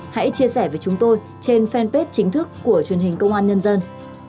hãy chia sẻ với chúng tôi trên fanpage chính thức của truyền hình công an nhân dân